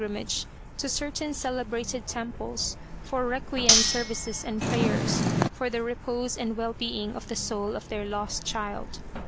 2 35 Kinu Returns from the Grave age to certain celebrated temples for requiem services and prayers for the repose and well being of the soul of their lost child.